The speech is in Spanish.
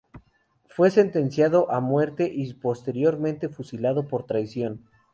Fue sentenciado a muerte y posteriormente fusilado por traición.